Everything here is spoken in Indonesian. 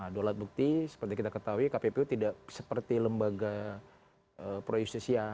dua alat bukti seperti kita ketahui kppu tidak seperti lembaga pro justisia